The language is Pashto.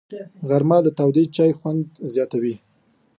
غرمه د تاوده چای خوند زیاتوي